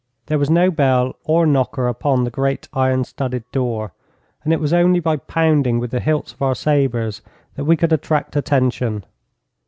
There was no bell or knocker upon the great iron studded door, and it was only by pounding with the hilts of our sabres that we could attract attention.